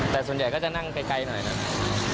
แต่ส่วนใหญ่ก็จะนั่งไกลหน่อยนะครับ